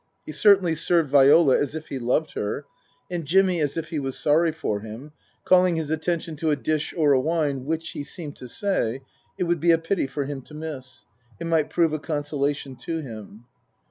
He certainly served Viola as if he loved her, and Jimmy as if he was sorry for him, calling his attention to a dish or a wine which, he seemed to say, it would be a pity for him to miss it might prove a consolation to him.